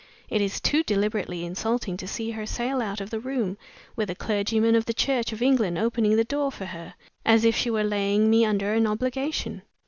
It is too deliberately insulting to see her sail out of the room with a clergyman of the Church of England opening the door for her as if she was laying me under an obligation!